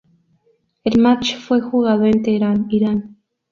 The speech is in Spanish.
El match fue jugado en Teherán, Irán.